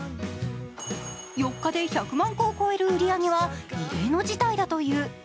４日で１００万個を超える売り上げは、異例の事態だという。